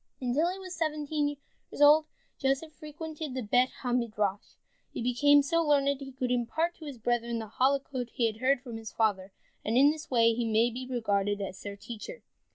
Until he was seventeen years old, Joseph frequented the Bet ha Midrash, and he became so learned that he could impart to his brethren the Halakot he had heard from his father, and in this way he may be regarded as their teacher.